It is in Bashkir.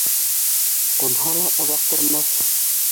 Ҡунһа ла оҙаҡ тормаҫ.